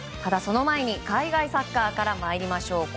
その前に海外サッカーからまいりましょう。